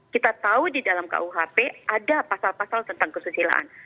kita tahu di dalam kuhp ada pasal pasal tentang kesusilaan